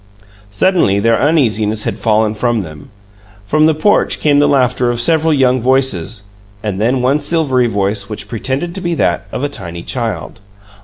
Suddenly their uneasiness had fallen from them. From the porch came the laughter of several young voices, and then one silvery voice, which pretended to be that of a tiny child.